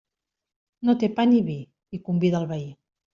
No té pa ni vi, i convida el veí.